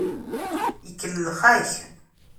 Ikellex-ak.